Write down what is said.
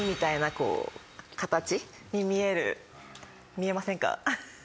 見えませんか？